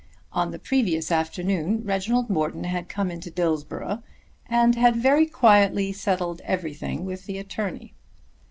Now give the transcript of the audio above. On the previous afternoon Reginald Morton had come into Dillsborough and had very quietly settled everything with the attorney.